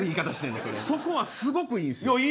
そこはすごくいいんです。